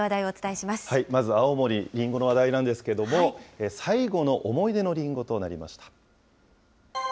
まず青森、りんごの話題なんですけれども、最後の思い出のりんごとなりました。